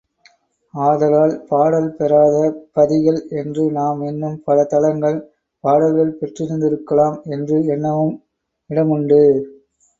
ஆதலால் பாடல் பெறாத பதிகள் என்று நாம் எண்ணும் பல தலங்கள் பாடல்கள் பெற்றிருந்திருக்கலாம் என்று எண்ணவும் இடமுண்டு.